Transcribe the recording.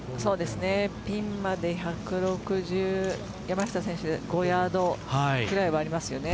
ピンまで１６０１６５ヤードくらいはありますよね。